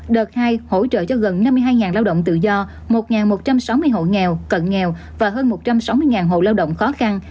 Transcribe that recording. đợt hai hỗ trợ cho gần năm mươi hai lao động tự do một một trăm sáu mươi hộ nghèo cận nghèo và hơn một trăm sáu mươi hộ lao động khó khăn